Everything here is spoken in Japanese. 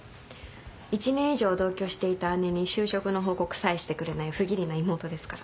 １年以上同居していた姉に就職の報告さえしてくれない不義理な妹ですから。